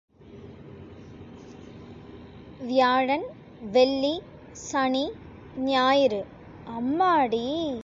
வியாழன், வெள்ளி, சனி, ஞாயிறு அம்மாடி!